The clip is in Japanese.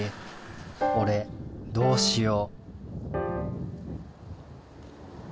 俺どうしよう。